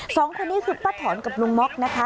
สองคนนี้คือป้าถอนกับลุงม็อกนะคะ